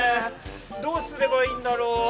◆どうすればいいだろう。